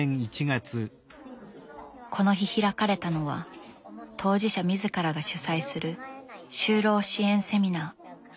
この日開かれたのは当事者自らが主催する就労支援セミナー。